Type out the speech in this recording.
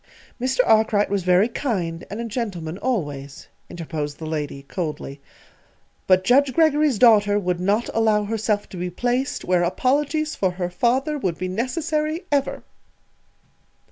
"Mr. Arkwright was very kind, and a gentleman, always," interposed the lady, coldly; "but Judge Greggory's daughter would not allow herself to be placed where apologies for her father would be necessary _ever!